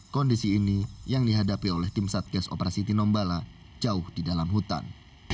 kondisi ini yang dihadapi oleh tim satgas operasi tinombala jauh di dalam hutan